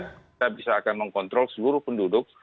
kita bisa akan mengkontrol seluruh penduduk